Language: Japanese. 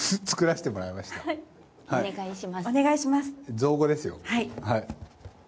造語ですよ。